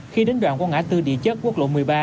khi đến đoạn qua ngã tư địa chất quốc lộ một mươi ba